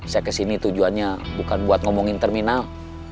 saya ke sini tujuannya bukan buat ngomongin terminal